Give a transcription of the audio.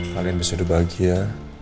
kalian bisa jadi bahagia